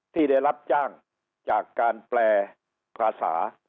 ที่ได้รับจ้างจากการแปลภาษา